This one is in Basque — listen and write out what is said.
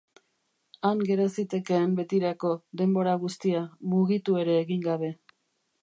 Han gera zitekeen betirako, denbora guztia, mugitu ere egin gabe.